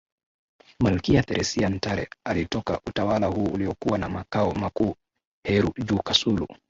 Malkia theresia ntare alitoka utawala huu uliokuwa na makao makuu heru juu kasulu